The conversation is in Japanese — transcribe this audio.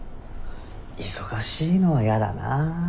忙しいのはやだな。